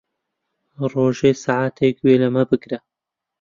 ڕۆژێ سەعاتێک گوێ لەمە بگرە.